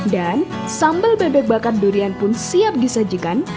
dan sambal bebek bakar durian pun siap disajikan